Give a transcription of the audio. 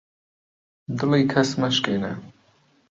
دڵی کەس مەشکێنە